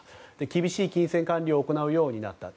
厳しい金銭管理を行うようになった。